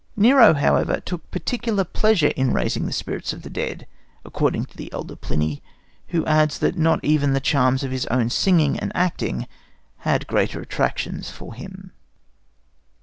Nero, however, took particular pleasure in raising the spirits of the dead, according to the Elder Pliny, who adds that not even the charms of his own singing and acting had greater attractions for him.